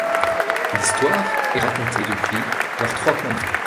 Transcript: L'histoire est racontée depuis leurs trois points de vue.